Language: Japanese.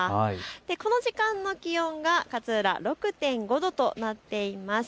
この時間の気温が勝浦６．５度となっています。